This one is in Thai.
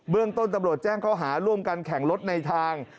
เรื่องต้นตำรวจแจ้งข้อหาร่วมกันแข่งรถในทาง